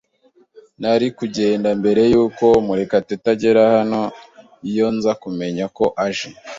Nari kugenda mbere yuko Murekatete agera hano iyo nza kumenya ko aje.